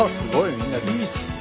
みんないいっすね。